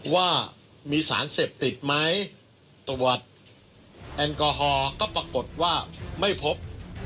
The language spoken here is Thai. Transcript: ว่ามีสารเสพติดไหมตรวจแอลกอฮอล์ก็ปรากฏว่าไม่พบ